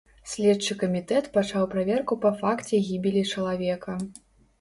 Следчы камітэт пачаў праверку па факце гібелі чалавека.